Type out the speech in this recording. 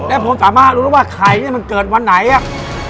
และผมสามารถรู้ว่าไข่มันเกิดวันไหนอ่ะ